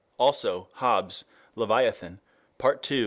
Also Hobbes, Leviathan, Part II, Ch.